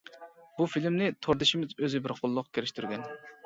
بۇ فىلىمنى توردىشىمىز ئۆزى بىر قوللۇق كىرىشتۈرگەن.